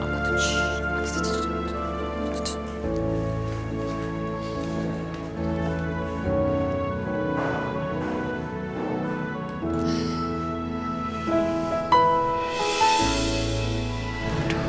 aku tentu shh